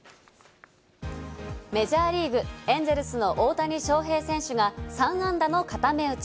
メジャーリーグ、エンゼルスの大谷翔平選手が３安打の固め打ち。